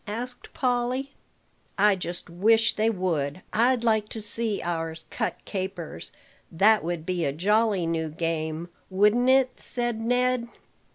asked Polly. "I just wish they would. I'd like to see ours cut capers; that would be a jolly new game, wouldn't it?" said Ned.